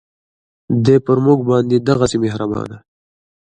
دی پر مونږ باندې دغهسې مهربانه